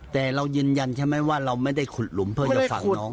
แต่เรายืนยันใช่ไหมว่าเราไม่ได้ขุดหลุมเพื่อจะฝังน้อง